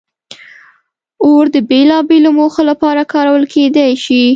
اور د بېلابېلو موخو لپاره کارول کېدی شي.